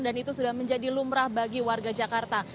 dan itu sudah menjadi lumrah bagi warga jakarta